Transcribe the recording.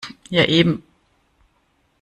Ja, eben.